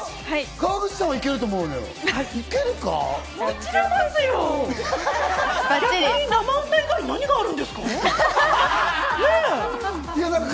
川口さんは、いけると思うの行けるか？